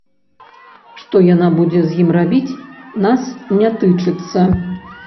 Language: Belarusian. Што яна будзе з ім рабіць, нас не тычыцца.